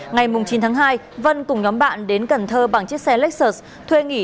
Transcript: ngày chín tháng hai vân cùng nhóm bạn đến cần thơ bằng chiếc xe lez thuê nghỉ